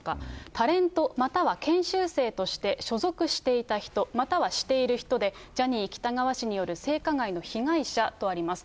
タレントまたは研修生として所属していた人、またはしている人で、ジャニー喜多川氏による性加害の被害者とあります。